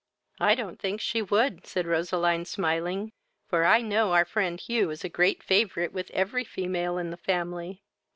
"I don't think she would, (said Roseline, smiling,) for I know our friend Hugh is a great favourite with every female in the family."